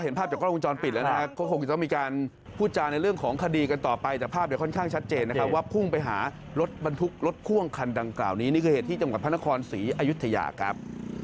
แล้วก็ใส่เลยผมก็มาผมโปรดคดีครับ